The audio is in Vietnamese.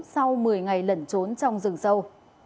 sau một mươi ngày lẩn trốn trong rừng sâu